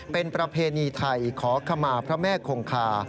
เป็นประเพณีไทยขอขมาพระแม่คงคา